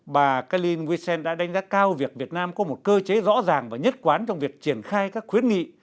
bà cá linh huy sên đã đánh giá cao việc việt nam có một cơ chế rõ ràng và nhất quán trong việc triển khai các khuyến nghị